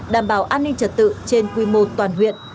đảm bảo an ninh trật tự trên quy mô toàn huyện